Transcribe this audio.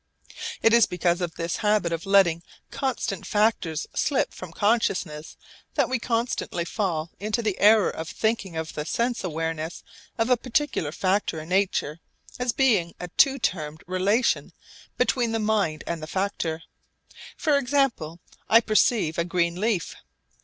It is because of this habit of letting constant factors slip from consciousness that we constantly fall into the error of thinking of the sense awareness of a particular factor in nature as being a two termed relation between the mind and the factor. For example, I perceive a green leaf.